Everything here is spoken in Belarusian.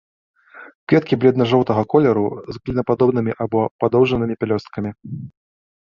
Кветкі бледна-жоўтага колеру, з клінападобнымі або падоўжанымі пялёсткамі.